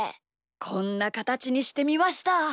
こんなかたちにしてみました。